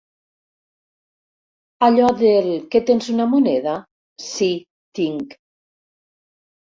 Allò del “que tens una moneda? sí, tinc”.